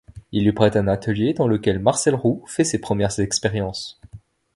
Il lui prête un atelier dans lequel Marcel Roux fait ses premières expériences.